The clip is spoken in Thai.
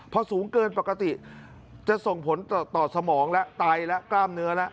พอสูงเกินปกติจะส่งผลต่อสมองแล้วไตแล้วกล้ามเนื้อแล้ว